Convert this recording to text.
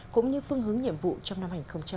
cũng như phương hướng nhiệm vụ trong năm hai nghìn hai mươi